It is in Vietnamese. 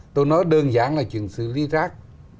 tôi nói đơn giản là chuyện xử lý rác